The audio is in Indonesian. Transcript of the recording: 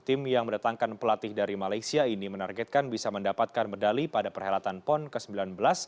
tim yang mendatangkan pelatih dari malaysia ini menargetkan bisa mendapatkan medali pada perhelatan pon ke sembilan belas